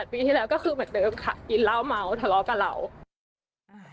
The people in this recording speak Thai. ๗๘ปีที่แล้วก็คือเหมือนเดิมค่ะอินเล่าเมาทะเลา